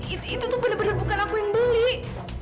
itu itu tuh bener bener bukan aku yang beli